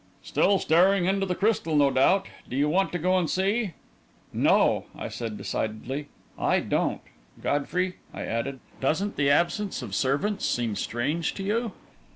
"Still staring into the crystal, no doubt. Do you want to go and see?" "No," I said decidedly, "I don't. Godfrey," I added, "doesn't the absence of servants seem strange to you?"